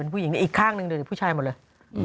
เป็นผู้หญิงอีกข้างหนึ่งเดี๋ยวผู้ชายหมดเลย